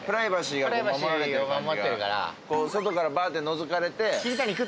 外からバってのぞかれて。